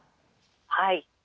はい。